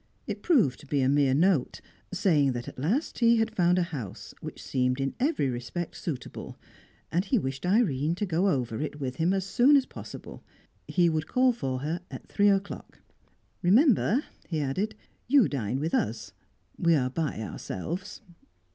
It proved to be a mere note, saying that at last he had found a house which seemed in every respect suitable, and he wished Irene to go over it with him as soon as possible; he would call for her at three o'clock. "Remember," he added, "you dine with us. We are by ourselves."